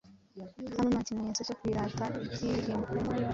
Hano nta kimenyeto cyo kwirata ibyihimo,